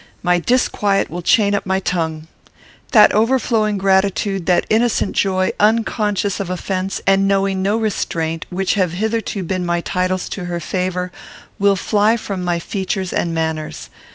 My disquiet will chain up my tongue. That overflowing gratitude; that innocent joy, unconscious of offence, and knowing no restraint, which have hitherto been my titles to her favour, will fly from my features and manners.